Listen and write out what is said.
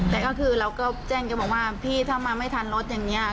แล้วก็แจ้งกันบอกว่าพี่ถ้ามาไม่ทันรถอย่างนี้